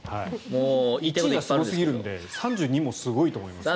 １位がすごすぎるので３２もすごいと思います。